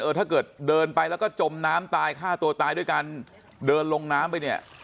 ถ้าเกิดเดินไปแล้วก็จมน้ำตายฆ่าตัวตายด้วยการเดินลงน้ำไปเนี่ย